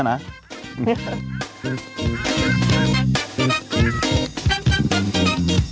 แก